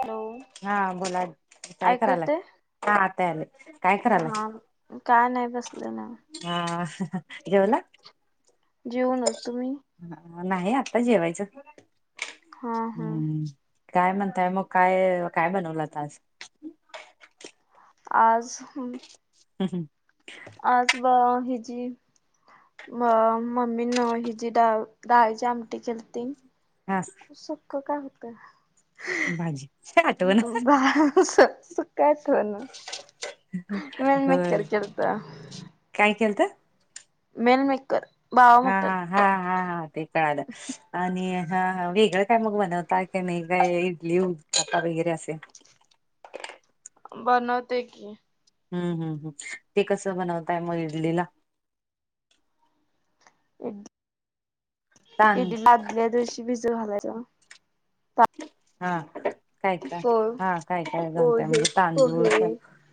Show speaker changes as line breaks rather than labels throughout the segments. Hello.
हा बोला, काय
ऐकू
करायलात?
येतंय?
रानात ते आलेत
हा, काय नाय बसले निवांत.
हा असू दया, जेवला?
जेऊनच, तुम्ही
ह, नाही आता जेवायचं,
हा हा
हम्म काय म्हणताय, मग काय, काय बनवलंत आज?
आज, हम्म
हं, हं
आज ब हिची म मम्मी न हिची डाळ - डाळीची आमटी केलती.
हं
सुखं काय होत?
भाजी आठवण
बास सु काय चाललंय, नाय मी तर
होय
जेवता
काय केलतं?
मेनमेकर
हा, हा, हा, हा, हा, ते कळालं आणि हा - हा वेगळं काय मग बनवता का नाही? काय इडली, उत्तपा वगैरे असे
बनवते की
हं- हं -हं, ते कसं बनवताय, मग इडलीला? तांद
इडलीला, आदल्या दिवशी भिजू घालायचं म
हा काय - काय,
पो
हा काय - काय, घालताय
पोहे
म्हणजे तांदूळ
पोहे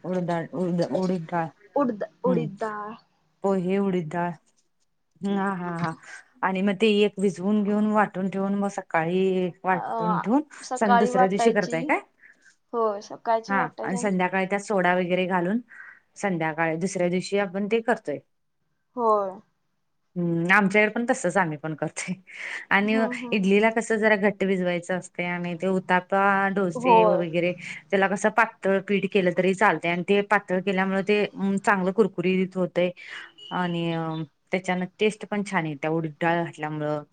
उडद डाळ उडद उडीद डाळ
त
हम्म
उडीद डाळ
पोहे, उडीद डाळ, हा- हा- हा आणि मग ते एक भिजवून घेऊन, वाटून ठेवून, मग सकाळी वाटून
अ
ठेवून सण
सकाळी
दुसऱ्या दिवशी
वाटायची
करताय काय?
होय सकाळची
हा
वाटायची
आणि संध्याकाळी त्यात सोडा वगैरे घालून, संध्याकाळी दुसऱ्या दिवशी आपण ते करतोय.
होय.
हम्म आमच्या इकडं पण तसंच आम्ही पण करतोय, आणि
हम्म हम्म
इडलीला- कस जरा घट्ट भिजवायचं असतय, आणि ते उत्तपा डोसे
होय
वगैरे त्याला कसं पातळ पीठ केलं तरी चालतय, आणि ते पातळ केल्यामुळं ते चांगलं कुरकुरी होत तय, आणि त्याच्यान टेस्ट पण छान येत्या उडीद डाळ घातल्यामुळं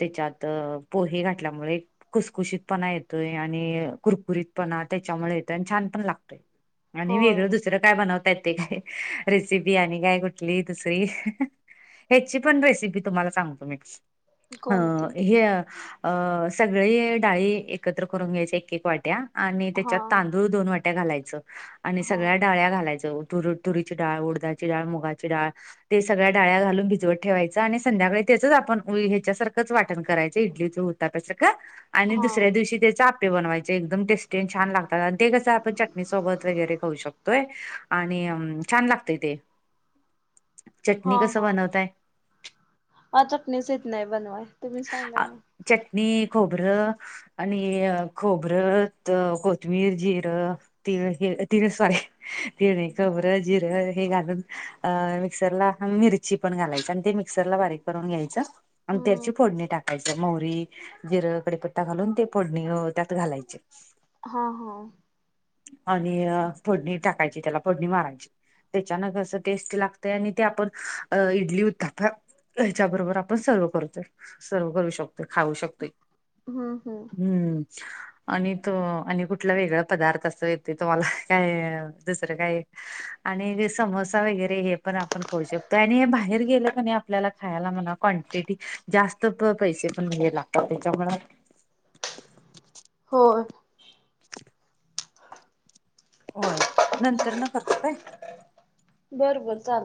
त्याच्यात पोहे घातल्यामुळे कुसखुशीतपणा येतोय, आणि कुरकुरीतपणा त्याच्यामुळे येतोय, आणि छान पण लागतय. आणि
होय
वेगळं दुसरं काय बनवता येतय, रेसिपी आणि काय कुठली दुसरी. हेचि पण रेसिपी तुम्हाला सांगतो मी, अं
कोणती
हे अ स सगळी डाळी एकत्र करून घ्यायच एक एक वाट्या, आणि
हा
त्याच्यात तांदूळ दोन वाट्या घालायचं, आणि
हा
सगळ्या डाळ्या घालायचं, तूर तुरीची डाळ, उडदाची डाळ, मुगाची डाळ, ते सगळ्या डाळ्या घालून भिजवत ठेवायचं, आणि संध्याकाळी त्याचच आपण ह्याच्यासारखंच वाट करायचं, इडलीचा ऊत्ताप्याच तसं गं, आणि
हा
दुसऱ्या दिवशी त्याचं अप आप्पे बनवायचे, एकदम टेस्टी आणि छान लागतात, आणि ते कसं आपण चटणी वगैरे सोबत खाऊ शकतोय. आणि छान लागतय ते. चटणी
हा
कसं
हा,
बनवताय
मला चटणीच येत नाय बनवाय, तुम्ही सांगा
आ-
ना.
चटणी खोबरं आणि खोबरंत, कोथबिर, जिरं, तिळ हे सॉरी तिळ नाही, खोबरं जिरं हे घालून अ मिक्सर ला मिरची मिरची पण घालायचं, अन ते मिक्सरला बारीक करून घ्यायचं, अन
हम्म
त्याची मव्हरी, जिरं, कडिपत्ता घालून ते फोडणी अ त्यात घालायचं.
हा हा.
आणि फोडणी टाकायची त्याला फोडणी मारायची. त्याच्यानं कसं टेस्ट लागतंय आणि ते आपण इडली उतापा- ह्याच्याबरोबर आपण सर्व करूतोय. सर्व करू शकतोय खाऊ शकतोय, हम्म. आणि तो आणि कुठला वेगळा पदार्थ असतोय येतोय तुम्हाला काय दुसरं काय आणि समोसा वगैरे हे पण आपण खाऊ शकतोय, आणि हे बाहेर गेलं क नाही आपल्याला खायला म्हणा क्वांटिटी जास्त पण पैसे पण म्हणजे लागतात, त्याच्यामुळं
होय.
[inaudible] होय, नंतर न करतो काय.
बरं बरं चाल